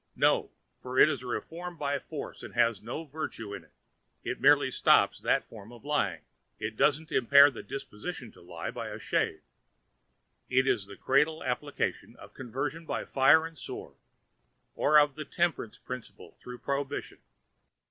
No; for it is reform by force and has no virtue in it; it merely stops that form of lying, it doesn't impair the disposition to lie, by a shade. It is the cradle application of conversion by fire and sword, or of the temperance principle through prohibition.